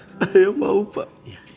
saya mau pak